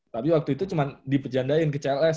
tapi waktu itu cuman dipejandain ke cls